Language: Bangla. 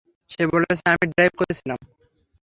সে বলেছে আমি ড্রাইভ করতেছিলাম?